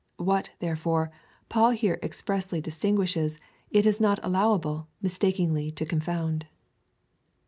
"What, therefore, Paul here expressly distinguishes, it is not allowable mis takingly to confound.